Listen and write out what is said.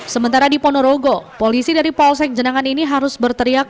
sementara di ponorogo polisi dari polsek jenangan ini harus berteriak